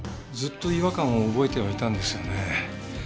ずっと違和感を覚えてはいたんですよね。